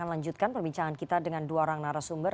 lima anggota dprd adalah lima narasumber